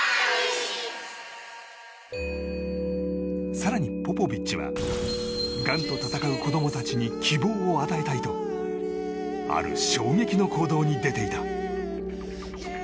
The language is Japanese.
更にポポビッチはがんと闘う子供たちに希望を与えたいとある衝撃の行動に出ていた。